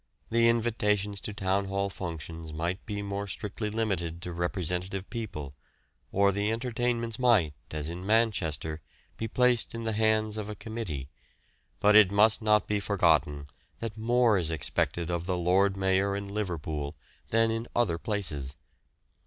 The invitations to Town Hall functions might be more strictly limited to representative people, or the entertainments might, as in Manchester, be placed in the hands of a Committee, but it must not be forgotten that more is expected of the Lord Mayor in Liverpool than in other places.